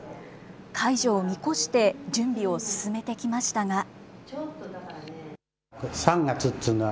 解除を見越して準備を進めてきましたが。